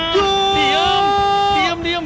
diam diam diam